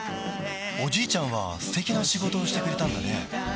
おじいちゃんは素敵な仕事をしてくれたんだね